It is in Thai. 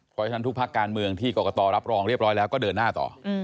เพราะฉะนั้นทุกภาคการเมืองที่กรกตรับรองเรียบร้อยแล้วก็เดินหน้าต่อ